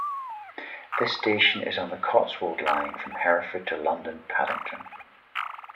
This station is on the Cotswold Line from Hereford to London Paddington.